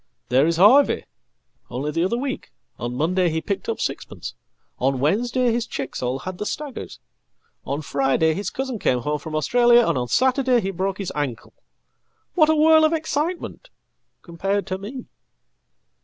There isHarvey. Only the other week; on Monday he picked up sixpence, on Wednesdayhis chicks all had the staggers, on Friday his cousin came home fromAustralia, and on Saturday he broke his ankle. What a whirl ofexcitement! compared to me.""